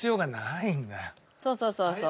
そうそうそうそう。